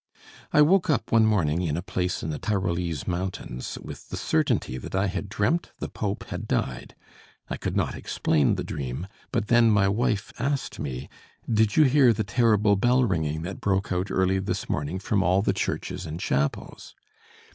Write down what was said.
I woke up one morning in a place in the Tyrolese Mountains, with the certainty that I had dreamt the Pope had died. I could not explain the dream, but then my wife asked me: "Did you hear the terrible bell ringing that broke out early this morning from all the churches and chapels?"